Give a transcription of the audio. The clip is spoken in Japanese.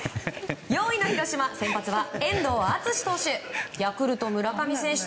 ４位の広島先発は遠藤淳志投手。